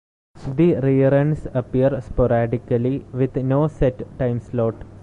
The reruns appear sporadically, with no set time slot.